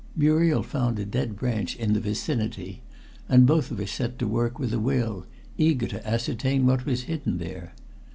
Muriel found a dead branch in the vicinity, and both of us set to work with a will, eager to ascertain what was hidden there.